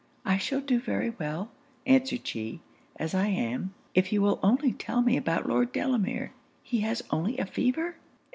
'I shall do very well,' answered she, 'as I am, if you will only tell me about Lord Delamere. He has only a fever?'